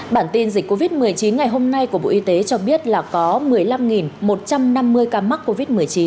bản tin dịch covid một mươi chín ngày hôm nay của bộ y tế cho biết là có một mươi năm một trăm năm mươi ca mắc covid một mươi chín